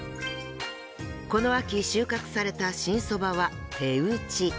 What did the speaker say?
この秋収穫された新そばは手打ち。